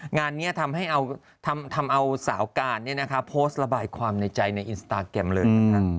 งานนี้ทำให้ทำเอาสาวการโพสต์ระบายความในใจในอินสตาแกรมเลยนะคะ